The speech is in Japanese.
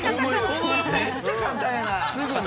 めっちゃ簡単やな。